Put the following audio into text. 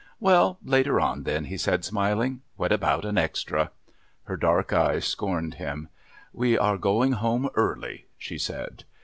"Well, later on then," he said, smiling. "What about an extra?" Her dark eyes scorned him. "We are going home early," she said.